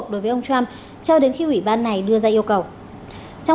trước đó ông trump đã kiện ủy ban tài chính và thuế vụ hạ viện